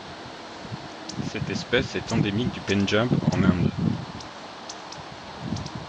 Cette espèce est endémique du Pendjab en Inde.